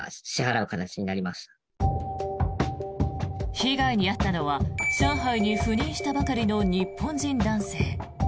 被害に遭ったのは上海に赴任したばかりの日本人男性。